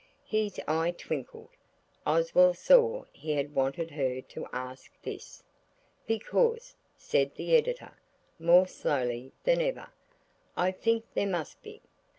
His eye twinkled. Oswald saw he had wanted her to ask this. "Because," said the Editor, more slowly than ever, "I think there must be.